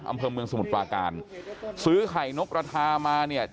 อำเภอเมืองสมุทรปราการซื้อไข่นกกระทามาเนี่ย